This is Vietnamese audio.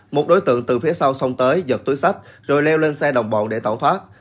một đối tượng từ phía sau xông tới giật túi sách rồi leo lên xe đồng bọn để tẩu thoát